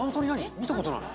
見たことない。